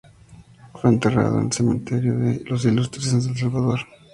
Fue enterrado en el Cementerio de Los Ilustres en San Salvador.